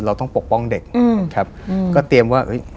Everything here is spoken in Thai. เราต้องปกป้องเด็กครับก็เตรียมว่าเอ้ย